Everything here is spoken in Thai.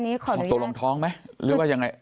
ของตัวลงท้องไหมหรือว่ายังไง